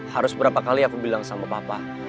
harus berapa kali aku bilang sama papa